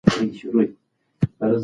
خو دغومره دې کوي،